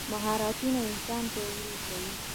مهارتونه انسان پیاوړی کوي.